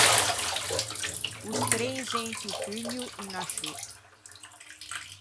O strenze into pugno unna sciô.